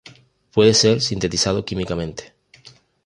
Puede ser sintetizado químicamente.